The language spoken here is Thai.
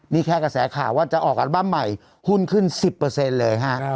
นี่แค่กระแสข่าวว่าจะออกอัลบั้มใหม่หุ้นขึ้นสิบเปอร์เซ็นต์เลยฮะ